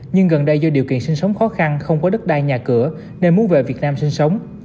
nhưng gần đây do điều kiện sinh sống khó khăn không có đất đai nhà cửa nên muốn về việt nam sinh sống